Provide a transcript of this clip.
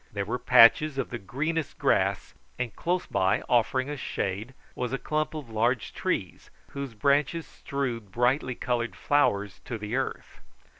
There were patches of the greenest grass, and close by, offering us shade, was a clump of large trees whose branches strewed brightly coloured flowers to the earth.